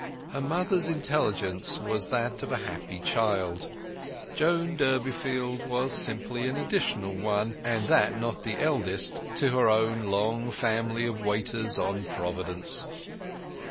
Her mother's intelligence was that of a happy child: Joan Durbeyfield was simply an additional one, and that not the eldest, to her own long family of waiters on Providence.